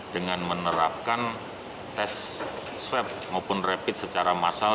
dengan menerapkan tes swab maupun rapid secara massal